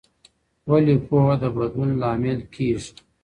ولي پوهه د بدلون لامل کيږي؟